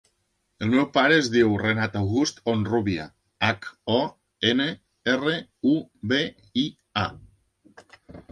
El meu pare es diu Renat August Honrubia: hac, o, ena, erra, u, be, i, a.